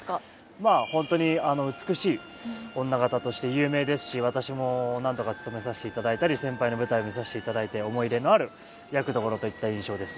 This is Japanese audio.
まあ本当に美しい女方として有名ですし私も何度かつとめさせていただいたり先輩の舞台見させていただいて思い入れのある役どころといった印象です。